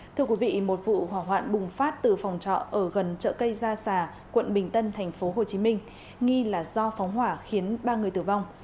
thưa quý vị một vụ hỏa hoạn bùng phát từ phòng trọ ở gần chợ cây gia quận bình tân tp hcm nghi là do phóng hỏa khiến ba người tử vong